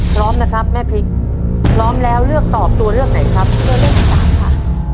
พร้อมนะครับแม่พริกพร้อมแล้วเลือกตอบตัวเลือกไหนครับตัวเลือกที่สามค่ะ